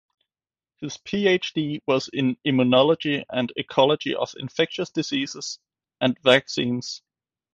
His PhD was in immunology and ecology of infectious diseases and vaccines.